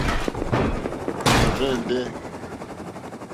Ɔ̀rzɛ̀ndɛ́.